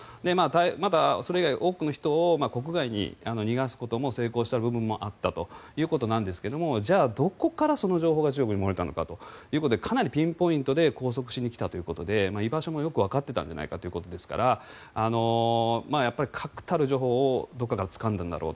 またそれ以外に多くの人を国外に逃がすことも成功した部分もあったということですがじゃあ、どこからその情報が中国に漏れたのかということでかなりピンポイントで拘束しに来たということで居場所もよくわかってたんじゃないかということですから確たる情報をどこかからつかんだんだろうと。